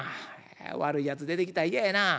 悪いやつ出てきたら嫌やな」。